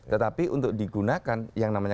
tetapi untuk digunakan yang namanya